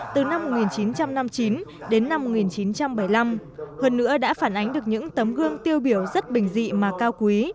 từ năm một nghìn chín trăm năm mươi chín đến năm một nghìn chín trăm bảy mươi năm hơn nữa đã phản ánh được những tấm gương tiêu biểu rất bình dị mà cao quý